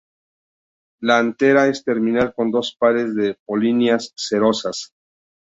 La antera es terminal con dos pares de polinias cerosas.